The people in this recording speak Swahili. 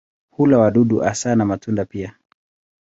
Hula wadudu hasa na matunda pia.